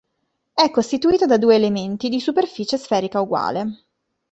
È costituita da due elementi di superficie sferica uguale.